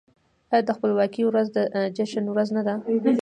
آیا د خپلواکۍ ورځ د جشن ورځ نه ده؟